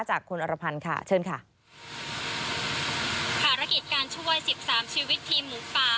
จากคุณอรพันธ์ค่ะเชิญค่ะภารกิจการช่วยสิบสามชีวิตทีมหมูป่า